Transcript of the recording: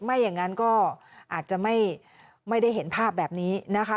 ไม่อย่างนั้นก็อาจจะไม่ได้เห็นภาพแบบนี้นะคะ